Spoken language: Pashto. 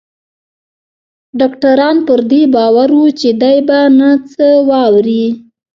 ډاکتران پر دې باور وو چې دی به نه څه واوري.